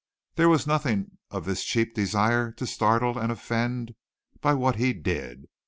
There was nothing of this cheap desire to startle and offend by what he did.